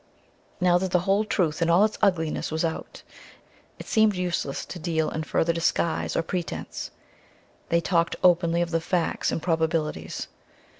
Now that the whole truth in all its ugliness was out, it seemed useless to deal in further disguise or pretense. They talked openly of the facts and probabilities.